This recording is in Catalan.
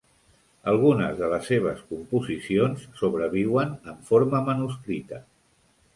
Algunes de les seves composicions sobreviuen en forma manuscrita.